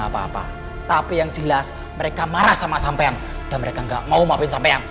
apa apa tapi yang jelas mereka marah sama sampean dan mereka enggak mau ngapain sampean